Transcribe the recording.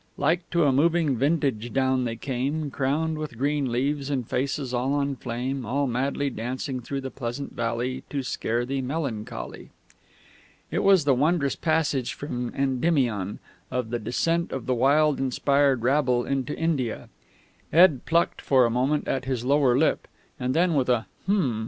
Like to a moving vintage down they came, Crowned with green leaves, and faces all on flame All madly dancing through the pleasant valley To scare thee, Melancholy!"_ It was the wondrous passage from Endymion, of the descent of the wild inspired rabble into India. Ed plucked for a moment at his lower lip, and then, with a "Hm!